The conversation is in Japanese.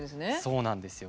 そうなんですよ。